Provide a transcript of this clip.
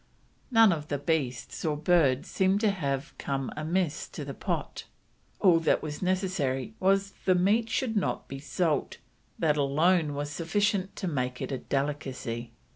None of the beasts or birds seem to have come amiss to the pot; all that was necessary was the meat should not be salt, "that alone was sufficient to make it a delicacy."